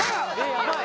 ヤバい